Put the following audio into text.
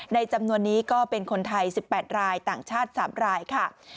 จำนวนนี้ก็เป็นคนไทย๑๘รายต่างชาติ๓รายค่ะ